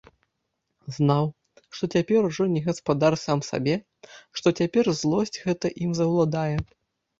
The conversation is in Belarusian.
Знаў, што цяпер ужо не гаспадар сам сабе, што цяпер злосць гэта ім заўладае.